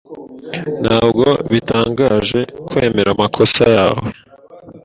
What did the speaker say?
Ntabwo bitangaje kwemera amakosa yawe.